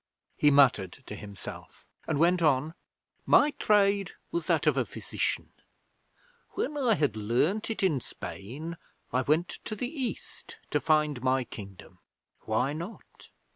He muttered to himself and went on: 'My trade was that of a physician. When I had learned it in Spain I went to the East to find my Kingdom. Why not?